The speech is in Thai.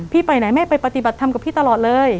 ไปไหนแม่ไปปฏิบัติธรรมกับพี่ตลอดเลย